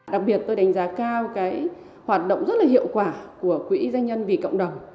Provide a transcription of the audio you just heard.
đặc biệt tôi đánh giá cao cái hoạt động rất là hiệu quả của quỹ doanh nhân vì cộng đồng